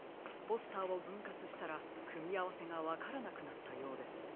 ポスターをぶんかつしたらくみあわせがわからなくなったようです。